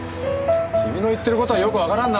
君の言ってる事はよくわからんな！